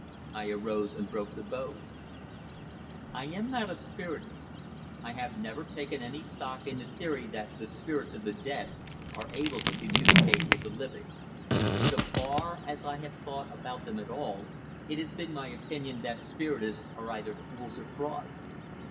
I arose and broke the boughs. I am not a spiritist. I have never taken any stock in the theory that the spirits of the dead are able to communicate with the living. So far as I have thought about them at all, it has been my opinion that spiritists are either fools or frauds.